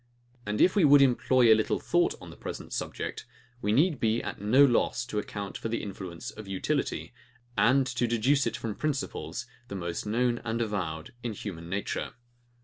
And if we would employ a little thought on the present subject, we need be at no loss to account for the influence of utility, and to deduce it from principles, the most known and avowed in human nature.